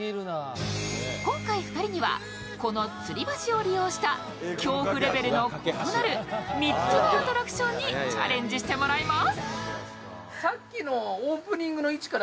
今回２人にはこのつり橋を利用した恐怖レベルの異なる３つのアトラクションにチャレンジしてもらいます。